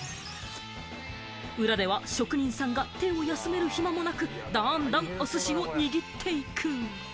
裏では職人さんが手を休める暇もなく、どんどんお寿司を握っていく。